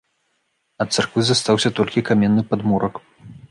Ад царквы застаўся толькі каменны падмурак.